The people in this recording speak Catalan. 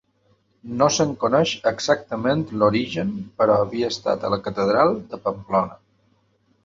No se'n coneix exactament l'origen però havia estat a la catedral de Pamplona.